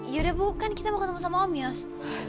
yaudah bu kan kita mau ketemu sama om yos